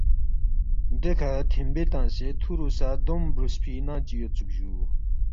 دیکھہ تھیمبے تنگسے تھُورو سا دوم بُروسفی ننگ چی یودسُوک جُو